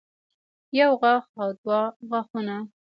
يو غاښ او دوه غاښونه